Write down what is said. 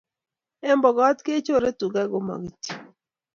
en pookot kechore tuka komo kityok